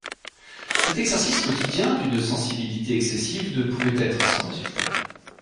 Cet exercice quotidien d'une sensibilité excessive ne pouvait être sans résultats.